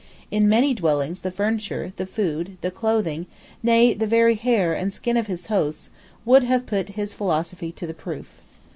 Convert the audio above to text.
In many dwellings the furniture, the food, the clothing, nay the very hair and skin of his hosts, would have put his philosophy to the proof.